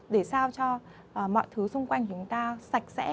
để sao cho mọi thứ xung quanh chúng ta sạch sẽ